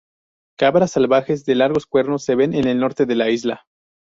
Cabras salvajes de largos cuernos se ven en el norte de la isla.